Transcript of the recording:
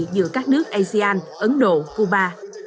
giữa các nước asean ấn độ cuba